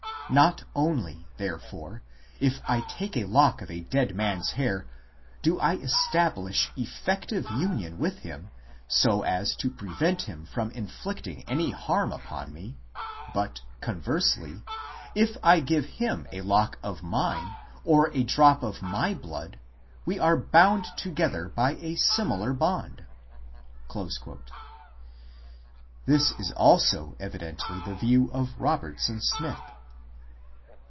... Not only, therefore, if I take a lock of a dead man s hair do I establish effective union with him so as to prevent him from inflicting any harm upon me ; but, conversely, if I give him a lock of mine or a drop of my blood we are bound together by a similar bond." 5 This is also evidently the view of Robertson Smith.